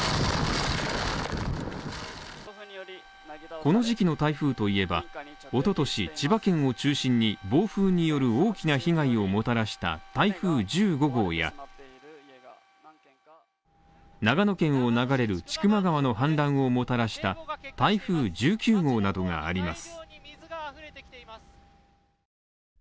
この時期の台風といえば、一昨年、千葉県を中心に暴風による大きな被害をもたらした台風１５号や長野県を流れる千曲川の氾濫をもたらした台風１９号などがあります。